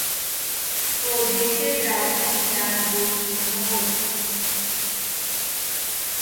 প্রদেশের রাজধানীর নাম গজনি শহর।